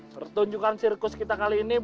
pertunjukan sirkus kita kali ini